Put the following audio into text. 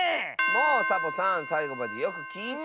もうサボさんさいごまでよくきいて！